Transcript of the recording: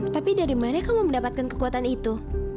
tapi dari mana kamu mendapatkan kekuatan itu